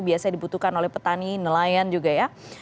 biasanya dibutuhkan oleh petani nelayan juga ya